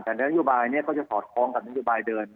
แต่นักยุบัยก็จะถอดคล้องกับนักยุบัยเดิน